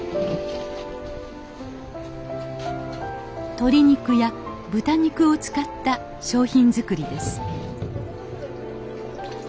鶏肉や豚肉を使った商品づくりです